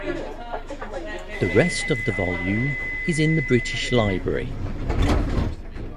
The rest of the volume is in the British Library.